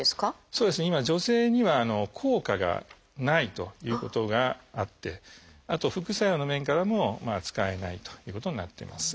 そうですね今女性には効果がないということがあってあと副作用の面からも使えないということになってます。